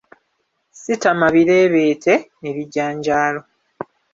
Sitama bireebeete, Ebijanjaalo.